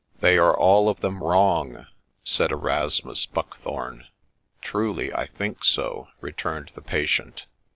' They are all of them wrong,' said Erasmus Buckthorne. ' Truly, I think so,' returned the patient.